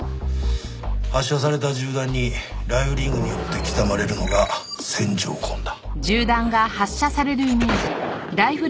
発射された銃弾にライフリングによって刻まれるのが線条痕だ。